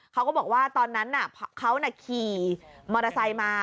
เขาก็บอกว่าตอนนั้นเขาขี่มอเตอร์ไซค์มา